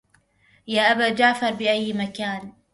يا أبا جعفر بأي مكان